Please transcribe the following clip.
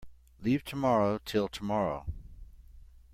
Leave tomorrow till tomorrow.